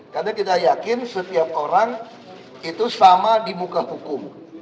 karena kita yakin setiap orang itu sama di muka hukum